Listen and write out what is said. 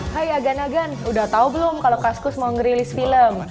hai agan agan udah tau belum kalau kaskus mau ngerilis film